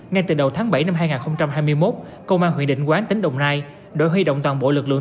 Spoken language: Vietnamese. ngay từ đầu tháng bảy năm hai nghìn hai mươi một công an huyện định quán tỉnh đồng nai đã huy động toàn bộ lực lượng